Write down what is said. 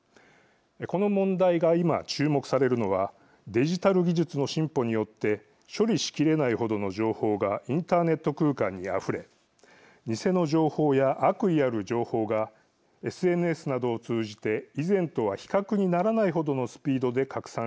この問題が今注目されるのはデジタル技術の進歩によって処理しきれないほどの情報がインターネット空間にあふれ偽の情報や悪意ある情報がＳＮＳなどを通じて以前とは比較にならないほどのスピードで拡散していくからです。